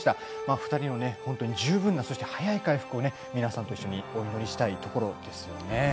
２人の十分な早い回復を皆さんと一緒にお祈りしたいところですよね。